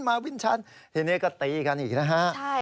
ทีนี้ก็ตีกันอีกนะฮะ